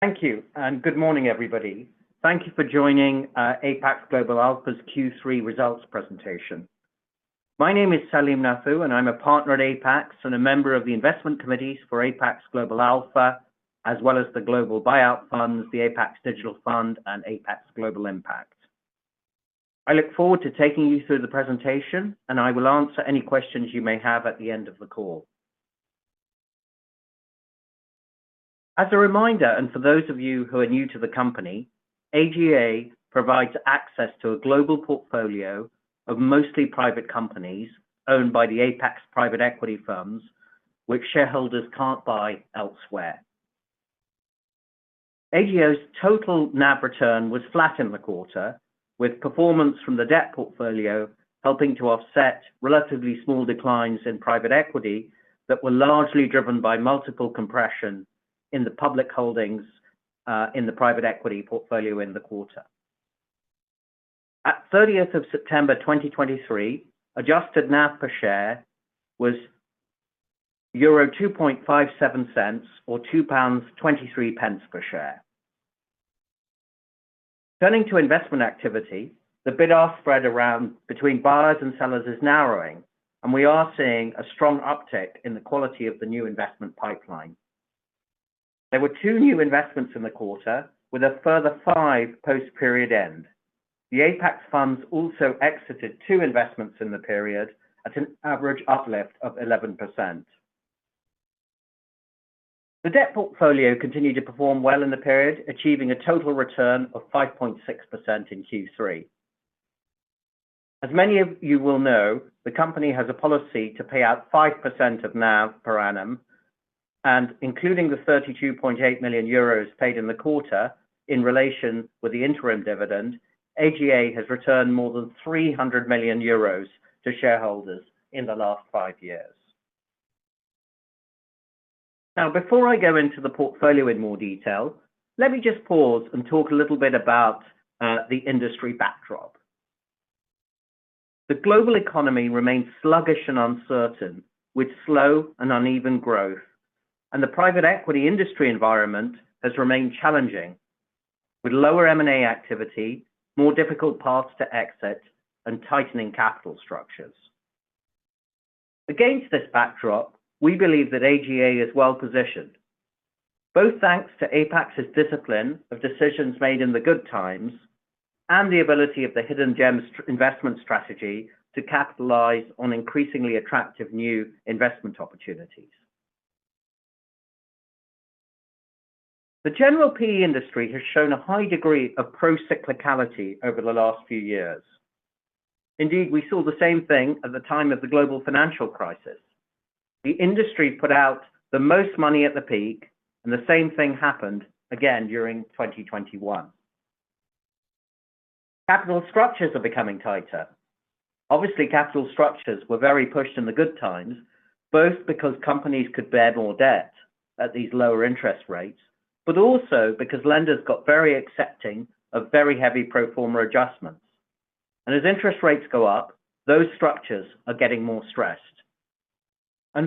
Thank you, and good morning, everybody. Thank you for joining Apax Global Alpha's Q3 Results Presentation. My name is Salim Nathoo, and I'm a partner at Apax, and a member of the investment committees for Apax Global Alpha, as well as the Global Buyout Funds, the Apax Digital Fund, and Apax Global Impact. I look forward to taking you through the presentation, and I will answer any questions you may have at the end of the call. As a reminder, and for those of you who are new to the company, AGA provides access to a global portfolio of mostly private companies owned by the Apax private equity firms, which shareholders can't buy elsewhere. AGA's total NAV return was flat in the quarter, with performance from the debt portfolio helping to offset relatively small declines in private equity that were largely driven by multiple compression in the public holdings, in the Private Equity Portfolio in the quarter. At 30th of September 2023, adjusted NAV per share was EUR 2.57 or GBP 2.23 per share. Turning to investment activity, the bid-ask spread around between buyers and sellers is narrowing, and we are seeing a strong uptick in the quality of the new investment pipeline. There were two new investments in the quarter, with a further five post-period end. The Apax funds also exited two investments in the period at an average uplift of 11%. The debt portfolio continued to perform well in the period, achieving a total return of 5.6% in Q3. As many of you will know, the company has a policy to pay out 5% of NAV per annum, and including the 32.8 million euros paid in the quarter in relation with the interim dividend, AGA has returned more than 300 million euros to shareholders in the last five years. Now, before I go into the portfolio in more detail, let me just pause and talk a little bit about the industry backdrop. The global economy remains sluggish and uncertain, with slow and uneven growth, and the private equity industry environment has remained challenging, with lower M&A activity, more difficult paths to exit, and tightening capital structures. Against this backdrop, we believe that AGA is well-positioned, both thanks to Apax's discipline of decisions made in the good times and the ability of the Hidden Gems investment strategy to capitalize on increasingly attractive new investment opportunities. The general PE industry has shown a high degree of pro-cyclicality over the last few years. Indeed, we saw the same thing at the time of the global financial crisis. The industry put out the most money at the peak, and the same thing happened again during 2021. Capital structures are becoming tighter. Obviously, capital structures were very pushed in the good times, both because companies could bear more debt at these lower interest rates, but also because lenders got very accepting of very heavy pro forma adjustments. As interest rates go up, those structures are getting more stressed.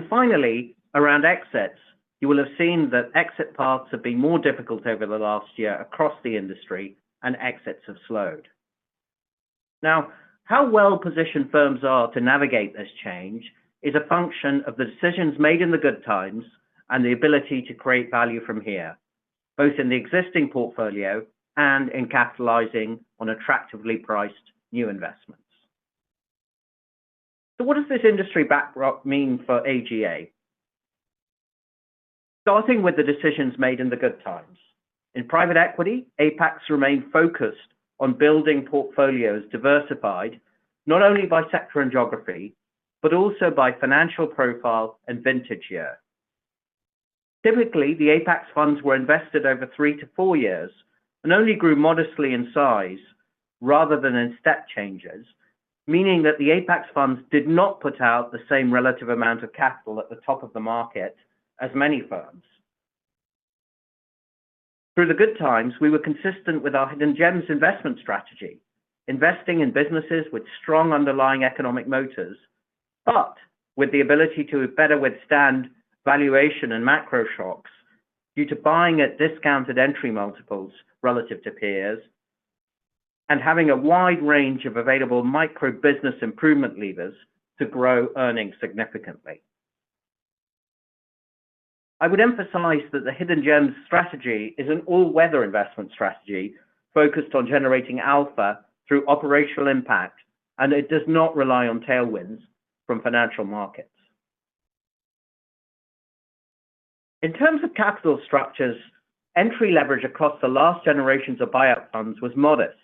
Finally, around exits, you will have seen that exit paths have been more difficult over the last year across the industry, and exits have slowed. Now, how well-positioned firms are to navigate this change is a function of the decisions made in the good times and the ability to create value from here, both in the existing portfolio and in capitalizing on attractively priced new investments. So what does this industry backdrop mean for AGA? Starting with the decisions made in the good times. In private equity, Apax remained focused on building portfolios diversified not only by sector and geography, but also by financial profile and vintage year. Typically, the Apax funds were invested over three to four years and only grew modestly in size rather than in step changes, meaning that the Apax funds did not put out the same relative amount of capital at the top of the market as many firms. Through the good times, we were consistent with our Hidden Gems investment strategy, investing in businesses with strong underlying economic motors, but with the ability to better withstand valuation and macro shocks due to buying at discounted entry multiples relative to peers, and having a wide range of available micro business improvement levers to grow earnings significantly. I would emphasize that the Hidden Gems strategy is an all-weather investment strategy focused on generating alpha through operational impact, and it does not rely on tailwinds from financial markets. In terms of capital structures, entry leverage across the last generations of buyout funds was modest,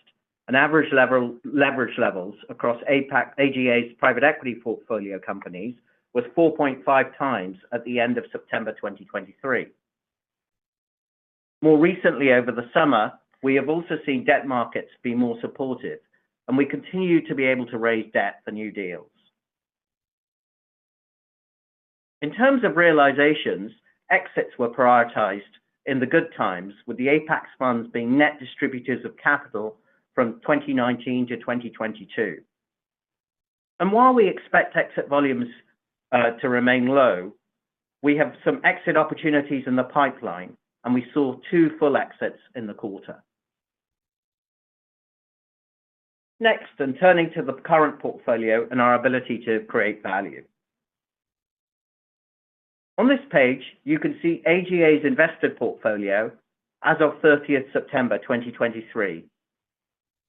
and average leverage levels across Apax - AGA's private equity portfolio companies was 4.5x at the end of September 2023. More recently, over the summer, we have also seen debt markets be more supportive, and we continue to be able to raise debt for new deals. In terms of realizations, exits were prioritized in the good times, with the Apax funds being net distributors of capital from 2019 to 2022. While we expect exit volumes to remain low, we have some exit opportunities in the pipeline, and we saw two full exits in the quarter. Next, and turning to the current portfolio and our ability to create value. On this page, you can see AGA's invested portfolio as of 30th September 2023.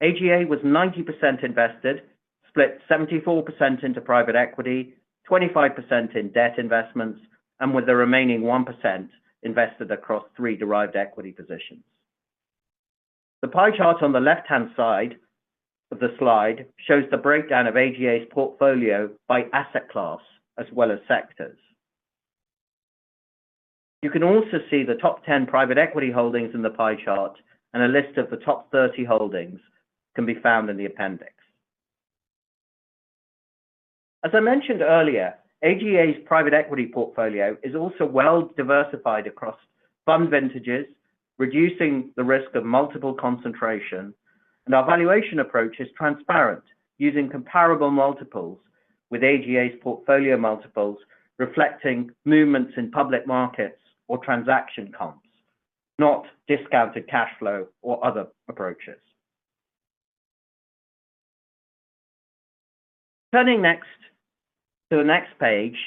AGA was 90% invested, split 74% into private equity, 25% in debt investments, and with the remaining 1% invested across three derived equity positions. The pie chart on the left-hand side of the slide shows the breakdown of AGA's portfolio by asset class as well as sectors. You can also see the top 10 private equity holdings in the pie chart, and a list of the top 30 holdings can be found in the appendix. As I mentioned earlier, AGA's private equity portfolio is also well diversified across fund vintages, reducing the risk of multiple concentration, and our valuation approach is transparent, using comparable multiples with AGA's portfolio multiples, reflecting movements in public markets or transaction comps, not discounted cash flow or other approaches. Turning next to the next page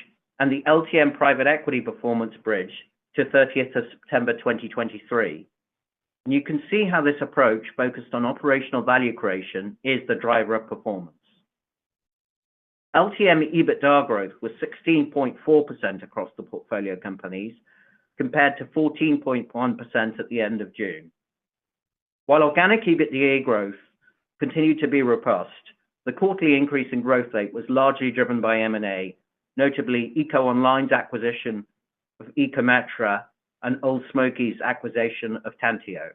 and the LTM private equity performance bridge to 30th of September 2023. You can see how this approach, focused on operational value creation, is the driver of performance. LTM EBITDA growth was 16.4% across the portfolio companies, compared to 14.1% at the end of June. While organic EBITDA growth continued to be robust, the quarterly increase in growth rate was largely driven by M&A, notably EcoOnline's acquisition of Ecometrica and Ole Smoky's acquisition of Tanteo.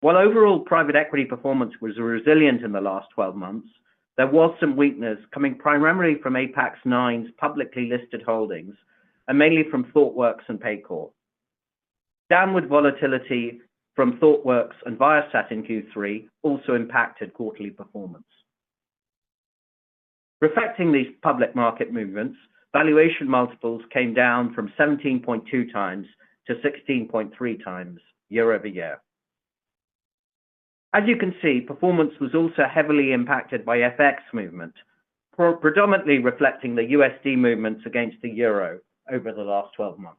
While overall private equity performance was resilient in the last twelve months, there was some weakness coming primarily from Apax IX's publicly listed holdings and mainly from Thoughtworks and Paycor. Downward volatility from Thoughtworks and Viasat in Q3 also impacted quarterly performance. Reflecting these public market movements, valuation multiples came down from 17.2x to 16.3x year-over-year. As you can see, performance was also heavily impacted by FX movement, predominantly reflecting the USD movements against the euro over the last twelve months.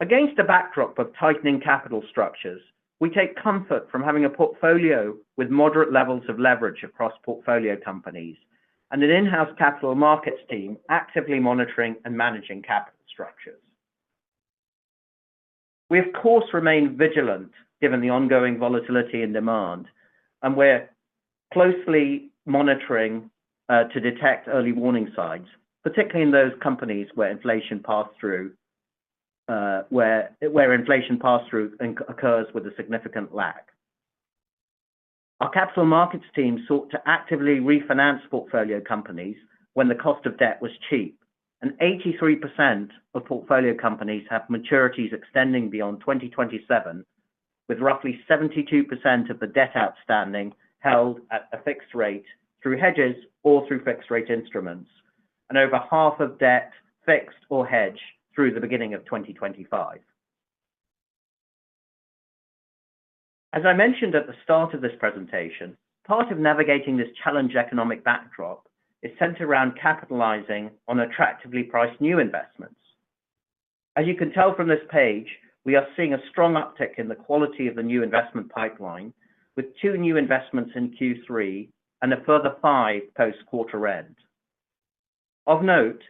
Against a backdrop of tightening capital structures, we take comfort from having a portfolio with moderate levels of leverage across portfolio companies and an in-house capital markets team actively monitoring and managing capital structures. We, of course, remain vigilant given the ongoing volatility in demand, and we're closely monitoring to detect early warning signs, particularly in those companies where inflation pass-through occurs with a significant lag. Our capital markets team sought to actively refinance portfolio companies when the cost of debt was cheap, and 83% of portfolio companies have maturities extending beyond 2027, with roughly 72% of the debt outstanding held at a fixed rate through hedges or through fixed rate instruments, and over half of debt fixed or hedged through the beginning of 2025. As I mentioned at the start of this presentation, part of navigating this challenging economic backdrop is centered around capitalizing on attractively priced new investments. As you can tell from this page, we are seeing a strong uptick in the quality of the new investment pipeline, with two new investments in Q3 and a further five post-quarter end. Of note,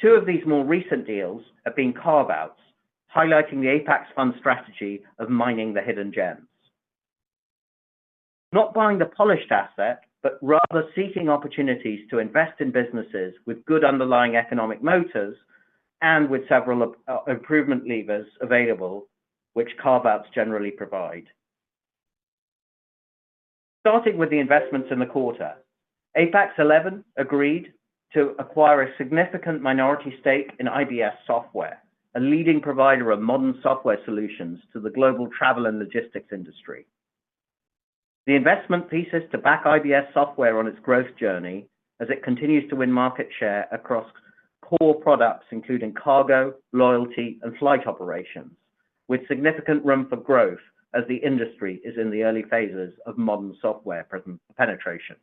two of these more recent deals have been carve-outs, highlighting the Apax fund strategy of mining the Hidden Gems. Not buying the polished asset, but rather seeking opportunities to invest in businesses with good underlying economic moats and with several improvement levers available, which carve-outs generally provide. Starting with the investments in the quarter, Apax XI agreed to acquire a significant minority stake in IBS Software, a leading provider of modern software solutions to the global travel and logistics industry. The investment thesis to back IBS Software on its growth journey as it continues to win market share across core products, including cargo, loyalty, and flight operations, with significant room for growth as the industry is in the early phases of modern software penetration.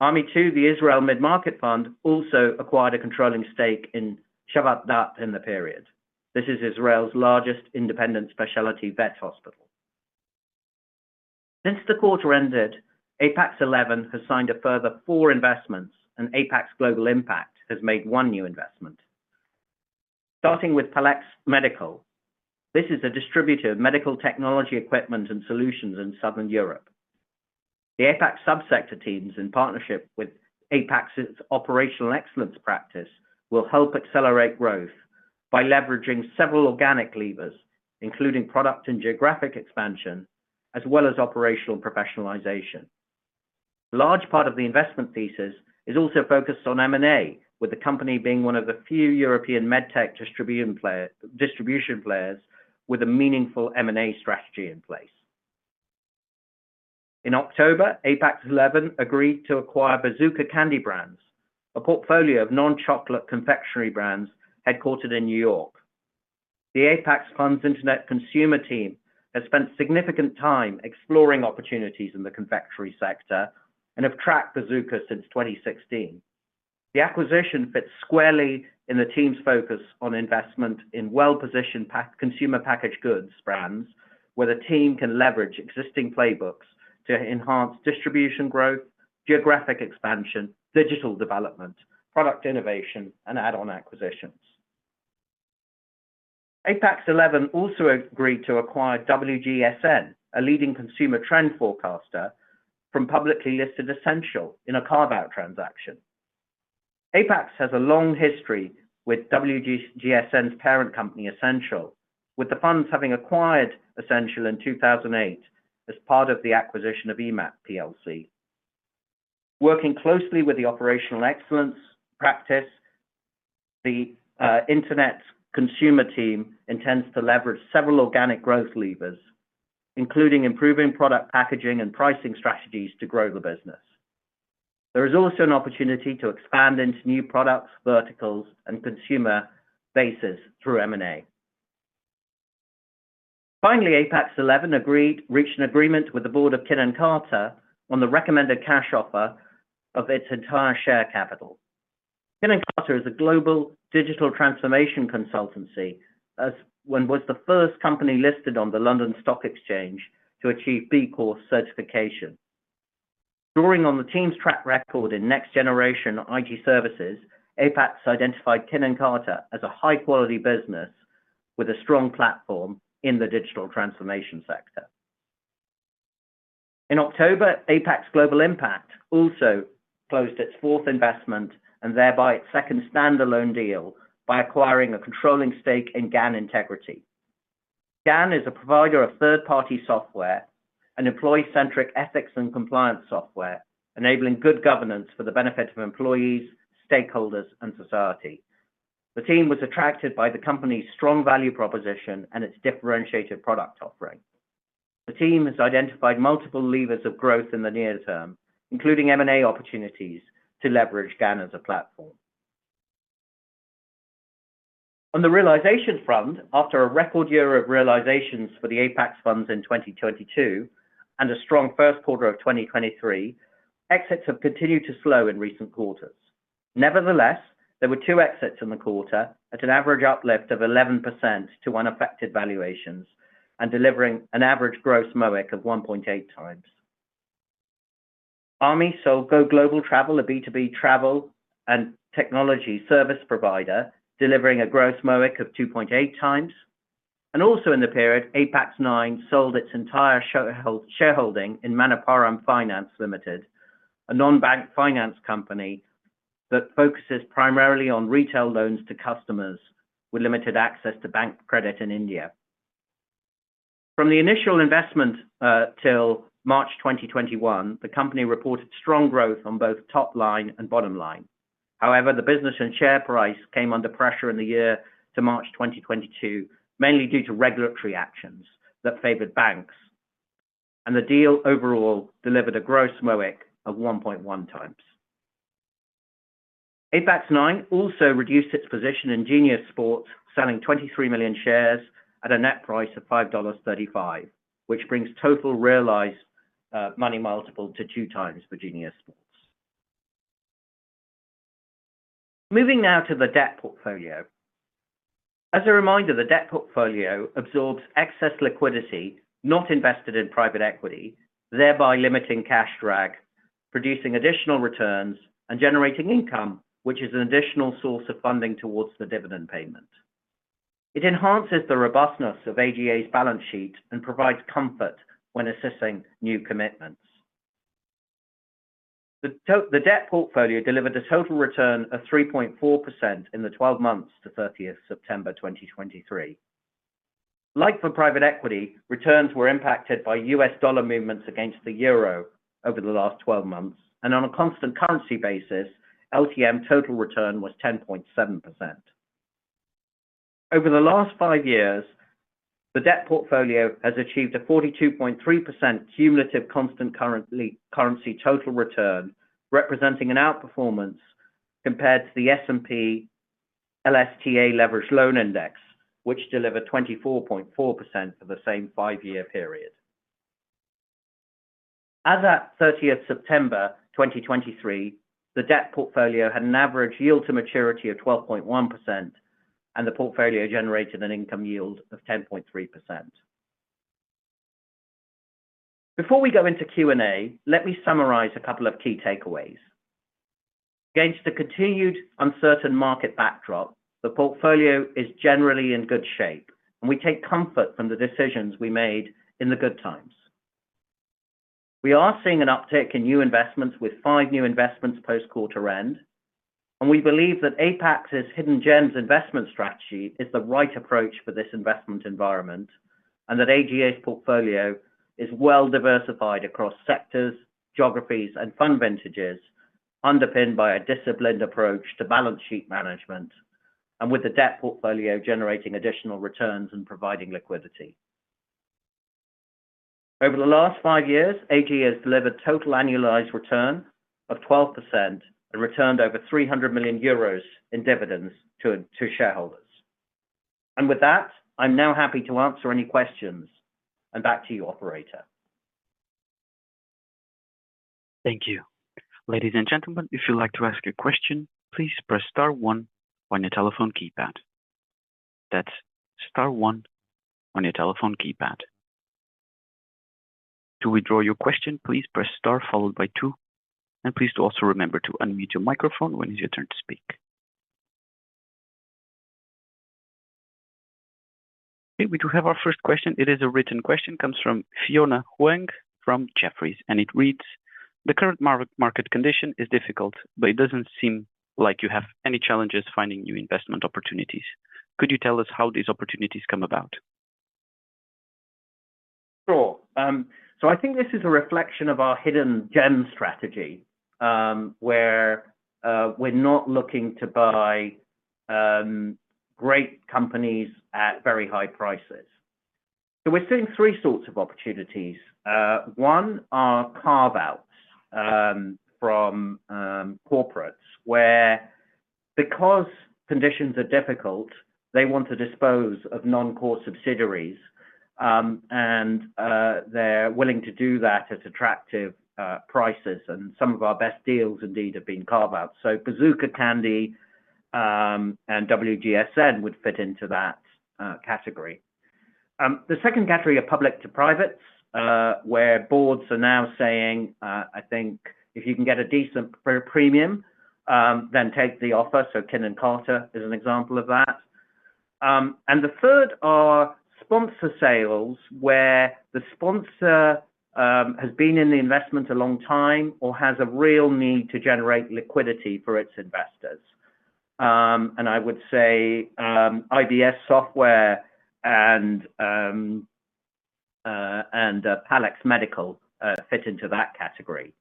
AMI II, the Israel Mid-Market Fund, also acquired a controlling stake in Chavat Daat in the period. This is Israel's largest independent specialty vet hospital. Since the quarter ended, Apax XI has signed a further four investments, and Apax Global Impact has made one new investment. Starting with Palex Medical, this is a distributor of medical technology equipment and solutions in Southern Europe. The Apax subsector teams, in partnership with Apax's operational excellence practice, will help accelerate growth by leveraging several organic levers, including product and geographic expansion, as well as operational professionalization.... Large part of the investment thesis is also focused on M&A, with the company being one of the few European medtech distribution players with a meaningful M&A strategy in place. In October, Apax XI agreed to acquire Bazooka Candy Brands, a portfolio of non-chocolate confectionery brands headquartered in New York. The Apax Funds Internet consumer team has spent significant time exploring opportunities in the confectionery sector and have tracked Bazooka since 2016. The acquisition fits squarely in the team's focus on investment in well-positioned consumer packaged goods brands, where the team can leverage existing playbooks to enhance distribution growth, geographic expansion, digital development, product innovation, and add-on acquisitions. Apax XI also agreed to acquire WGSN, a leading consumer trend forecaster from publicly listed Ascential in a carve-out transaction. Apax has a long history with WGSN's parent company, Ascential, with the funds having acquired Ascential in 2008 as part of the acquisition of EMAP PLC. Working closely with the operational excellence practice, the Internet consumer team intends to leverage several organic growth levers, including improving product packaging and pricing strategies to grow the business. There is also an opportunity to expand into new products, verticals, and consumer bases through M&A. Finally, Apax XI reached an agreement with the board of Kin + Carta on the recommended cash offer of its entire share capital. Kin and Carta is a global digital transformation consultancy, the first company listed on the London Stock Exchange to achieve B Corp certification. Drawing on the team's track record in next generation IT services, Apax identified Kin and Carta as a high-quality business with a strong platform in the digital transformation sector. In October, Apax Global Impact also closed its fourth investment and thereby its second standalone deal by acquiring a controlling stake in Gan Integrity. Gan is a provider of third-party software and employee-centric ethics and compliance software, enabling good governance for the benefit of employees, stakeholders, and society. The team was attracted by the company's strong value proposition and its differentiated product offering. The team has identified multiple levers of growth in the near term, including M&A opportunities to leverage Gan as a platform. On the realization front, after a record year of realizations for the Apax Funds in 2022 and a strong first quarter of 2023, exits have continued to slow in recent quarters. Nevertheless, there were two exits in the quarter at an average uplift of 11% to unaffected valuations and delivering an average gross MOIC of 1.8x. AMI sold Go Global Travel, a B2B travel and technology service provider, delivering a gross MOIC of 2.8x. Also in the period, Apax IX sold its entire shareholding in Manappuram Finance Limited, a non-bank finance company that focuses primarily on retail loans to customers with limited access to bank credit in India. From the initial investment till March 2021, the company reported strong growth on both top line and bottom line. However, the business and share price came under pressure in the year to March 2022, mainly due to regulatory actions that favored banks, and the deal overall delivered a gross MOIC of 1.1x. Apax IX also reduced its position in Genius Sports, selling 23 million shares at a net price of $5.35, which brings total realized money multiple to 2x for Genius Sports. Moving now to the debt portfolio. As a reminder, the debt portfolio absorbs excess liquidity, not invested in private equity, thereby limiting cash drag, producing additional returns, and generating income, which is an additional source of funding towards the dividend payment. It enhances the robustness of AGA's balance sheet and provides comfort when assessing new commitments. The debt portfolio delivered a total return of 3.4% in the twelve months to 30th September 2023. Like for private equity, returns were impacted by U.S. dollar movements against the euro over the last twelve months, and on a constant currency basis, LTM total return was 10.7%. Over the last five years, the debt portfolio has achieved a 42.3% cumulative constant currency total return, representing an outperformance compared to the S&P LSTA Leveraged Loan Index, which delivered 24.4% for the same five-year period. As at 30th September 2023, the debt portfolio had an average yield to maturity of 12.1%, and the portfolio generated an income yield of 10.3%. Before we go into Q&A, let me summarize a couple of key takeaways. Against the continued uncertain market backdrop, the portfolio is generally in good shape, and we take comfort from the decisions we made in the good times. We are seeing an uptick in new investments with five new investments post-quarter end. And we believe that Apax's Hidden Gems Strategy is the right approach for this investment environment, and that AGA's portfolio is well diversified across sectors, geographies, and fund vintages, underpinned by a disciplined approach to balance sheet management, and with the debt portfolio generating additional returns and providing liquidity. Over the last five years, AGA has delivered total annualized return of 12% and returned over 300 million euros in dividends to shareholders. And with that, I'm now happy to answer any questions, and back to you, operator. Thank you. Ladies and gentlemen, if you'd like to ask a question, please press star one on your telephone keypad. That's star one on your telephone keypad. To withdraw your question, please press star followed by two, and please also remember to unmute your microphone when it's your turn to speak. Okay, we do have our first question. It is a written question, comes from Fiona Huang from Jefferies, and it reads: The current market condition is difficult, but it doesn't seem like you have any challenges finding new investment opportunities. Could you tell us how these opportunities come about? Sure. So I think this is a reflection of our Hidden Gems Strategy, where we're not looking to buy great companies at very high prices. So we're seeing three sorts of opportunities. One are carve-outs from corporates, where because conditions are difficult, they want to dispose of non-core subsidiaries, and they're willing to do that at attractive prices, and some of our best deals, indeed, have been carve-outs. So Bazooka Candy and WGSN would fit into that category. The second category are public to privates, where boards are now saying, "I think if you can get a decent premium, then take the offer." So Kin and Carta is an example of that. And the third are sponsor sales, where the sponsor has been in the investment a long time or has a real need to generate liquidity for its investors. And I would say, IBS Software and Palex Medical fit into that category.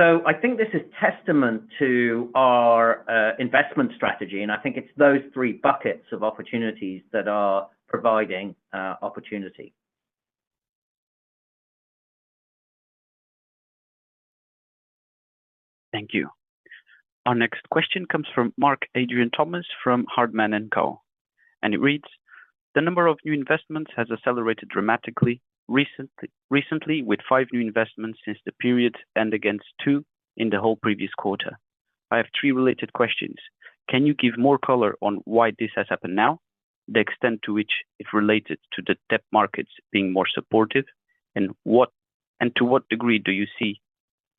So I think this is testament to our investment strategy, and I think it's those three buckets of opportunities that are providing opportunity. Thank you. Our next question comes from Mark Adrian Thomas, from Hardman & Co. It reads: The number of new investments has accelerated dramatically recently, recently, with five new investments since the period and against two in the whole previous quarter. I have three related questions. Can you give more color on why this has happened now, the extent to which it related to the debt markets being more supportive, and what and to what degree do you see,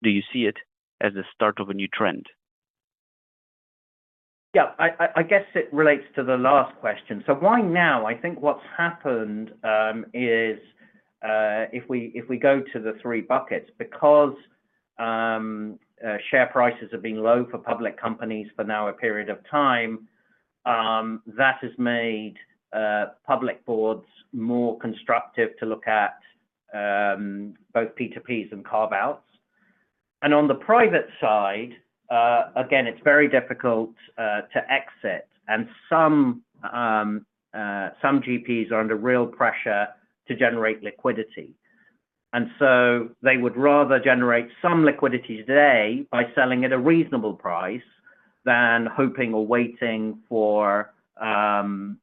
do you see it as the start of a new trend? Yeah, I guess it relates to the last question. So why now? I think what's happened is if we go to the three buckets, because share prices have been low for public companies for now a period of time, that has made public boards more constructive to look at both P2Ps and carve-outs. And on the private side, again, it's very difficult to exit, and some GPs are under real pressure to generate liquidity. And so they would rather generate some liquidity today by selling at a reasonable price, than hoping or waiting for a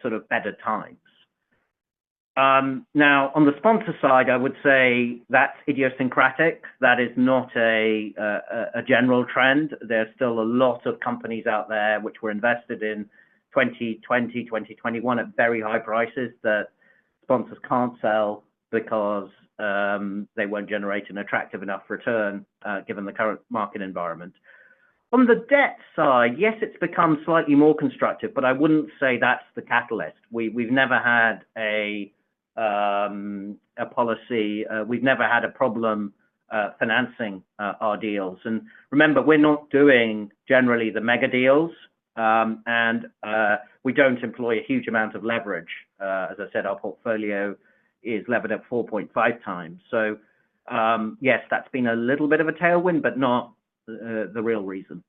sort of better times. Now, on the sponsor side, I would say that's idiosyncratic. That is not a general trend. There's still a lot of companies out there which were invested in 2020, 2021 at very high prices that sponsors can't sell because they won't generate an attractive enough return given the current market environment. On the debt side, yes, it's become slightly more constructive, but I wouldn't say that's the catalyst. We've never had a problem financing our deals. And remember, we're not doing generally the mega deals, and we don't employ a huge amount of leverage. As I said, our portfolio is levered at 4.5x. So, yes, that's been a little bit of a tailwind, but not the real reason.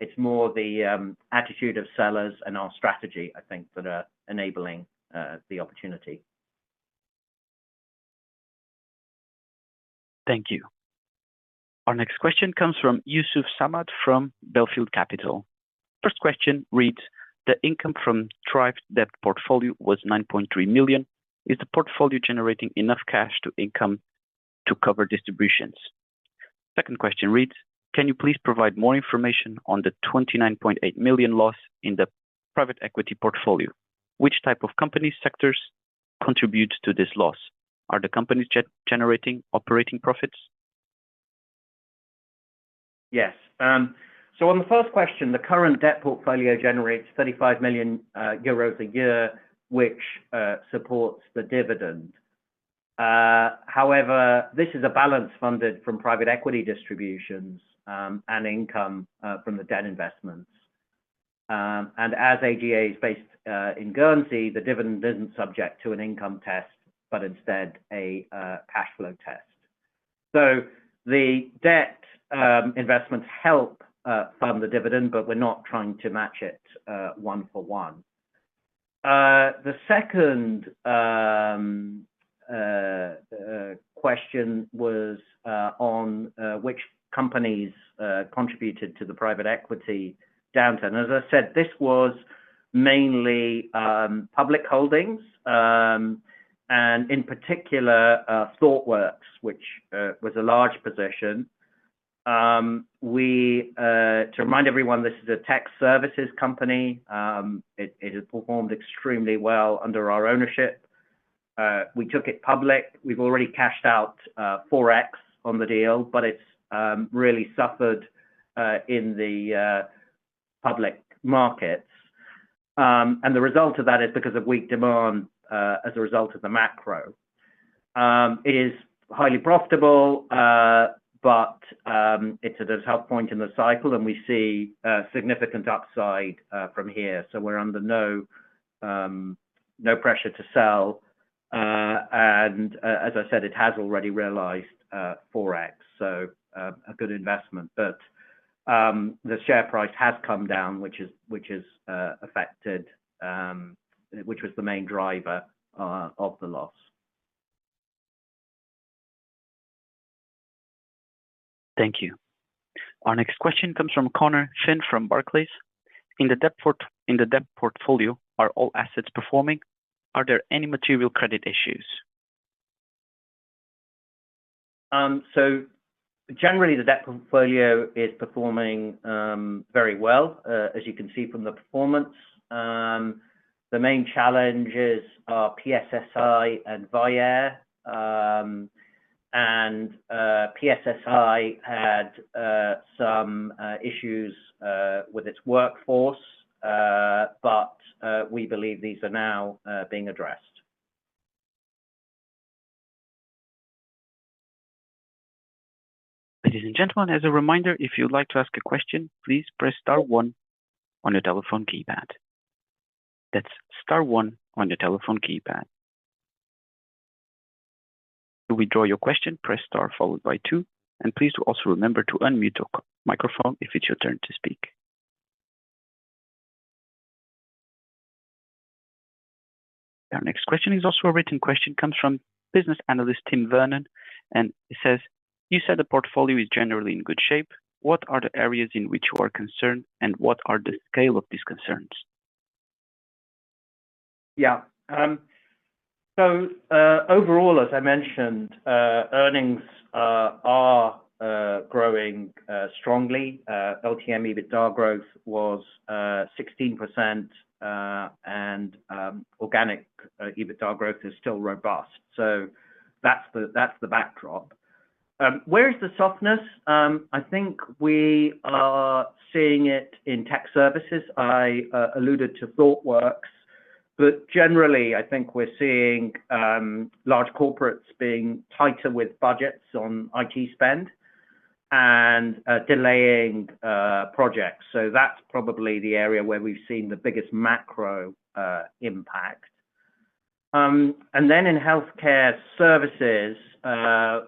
It's more the attitude of sellers and our strategy, I think, that are enabling the opportunity. Thank you. Our next question comes from Yusuf Samad from Belfield Capital. First question reads: The income from derived debt portfolio was 9.3 million. Is the portfolio generating enough cash to income to cover distributions? Second question reads: Can you please provide more information on the 29.8 million loss in the private equity portfolio? Which type of company sectors contribute to this loss? Are the companies generating operating profits? Yes. So on the first question, the current debt portfolio generates 35 million euros a year, which supports the dividend. However, this is a balance funded from private equity distributions and income from the debt investments. And as AGA is based in Guernsey, the dividend isn't subject to an income test, but instead a cash flow test. So the debt investments help fund the dividend, but we're not trying to match it one for one. The second question was on which companies contributed to the private equity downturn? As I said, this was mainly public holdings. And in particular, ThoughtWorks, which was a large position. To remind everyone, this is a tech services company. It has performed extremely well under our ownership. We took it public. We've already cashed out 4x on the deal, but it's really suffered in the public markets. The result of that is because of weak demand as a result of the macro. It is highly profitable, but it's at a tough point in the cycle, and we see significant upside from here. So we're under no pressure to sell. And as I said, it has already realized 4x, so a good investment. But the share price has come down, which is affected... Which was the main driver of the loss. Thank you. Our next question comes from Conor Finn from Barclays. In the debt portfolio, are all assets performing? Are there any material credit issues? So generally, the debt portfolio is performing very well, as you can see from the performance. The main challenges are PSSI and Vyaire. PSSI had some issues with its workforce, but we believe these are now being addressed. Ladies and gentlemen, as a reminder, if you'd like to ask a question, please press star one on your telephone keypad. That's star one on your telephone keypad. To withdraw your question, press star followed by two, and please also remember to unmute your microphone if it's your turn to speak. Our next question is also a written question, comes from business analyst, Tim Vernon, and it says: You said the portfolio is generally in good shape. What are the areas in which you are concerned, and what are the scale of these concerns? Yeah. So, overall, as I mentioned, earnings are growing strongly. LTM EBITDA growth was 16%, and organic EBITDA growth is still robust. So that's the backdrop. Where is the softness? I think we are seeing it in tech services. I alluded to ThoughtWorks, but generally, I think we're seeing large corporates being tighter with budgets on IT spend and delaying projects. So that's probably the area where we've seen the biggest macro impact. And then in healthcare services,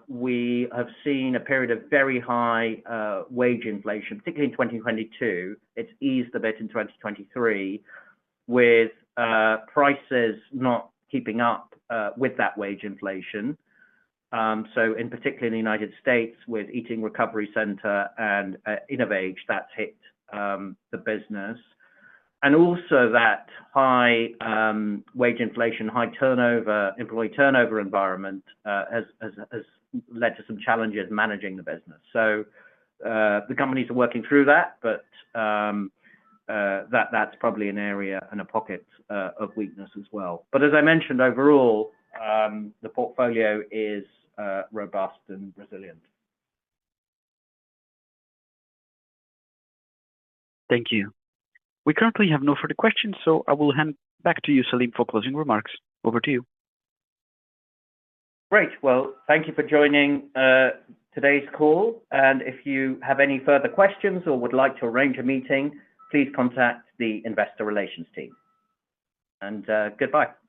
we have seen a period of very high wage inflation, particularly in 2022. It's eased a bit in 2023, with prices not keeping up with that wage inflation. So in particular in the United States, with Eating Recovery Center and, InnovAge, that's hit the business. And also that high wage inflation, high turnover, employee turnover environment has led to some challenges managing the business. So the companies are working through that, but that that's probably an area and a pocket of weakness as well. But as I mentioned, overall the portfolio is robust and resilient. Thank you. We currently have no further questions, so I will hand back to you, Salim, for closing remarks. Over to you. Great. Well, thank you for joining today's call, and if you have any further questions or would like to arrange a meeting, please contact the investor relations team. And, goodbye.